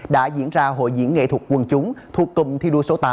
đã diễn ra hội diễn nghệ thuật quân chúng thuộc cụm thi đua số tám